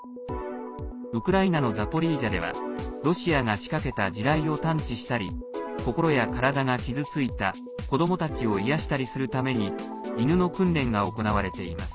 ウクライナのザポリージャではロシアが仕掛けた地雷を探知したり心や体が傷ついた子どもたちを癒やしたりするために犬の訓練が行われています。